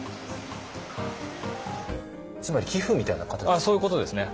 つまり寄付みたいな形ですか？